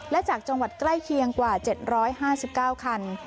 และจากจังหวัดใกล้เคียงกว่า๗๕๙คัน